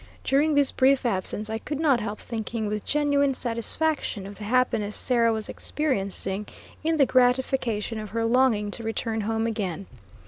During this brief absence I could not help thinking with genuine satisfaction of the happiness Sarah was experiencing in the gratification of her longing to return home again.